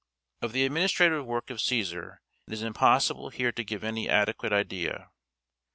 Of the administrative work of Cæsar it is impossible here to give any adequate idea.